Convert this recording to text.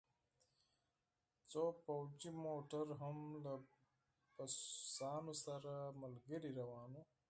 څو پوځي موټر هم له بسونو سره ملګري روان وو